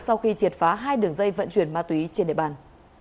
sau khi triệt phá hai đường dây vận chuyển ma túy trên địa bàn